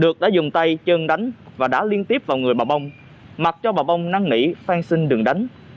được đã dùng tay chân đánh và đá liên tiếp vào người bà bông mặc cho bà bông năng nỉ phan xin đừng đánh